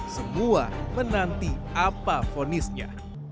semua menanti apa ponisnya